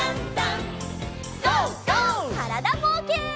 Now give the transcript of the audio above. からだぼうけん。